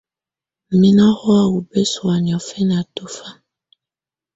Mɛ ná hɔ̀á ú bɛsɔ̀á nɪɔ̀fɛná tɔ̀fa.